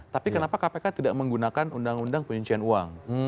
tapi kenapa kpk tidak menggunakan undang undang kuncian uang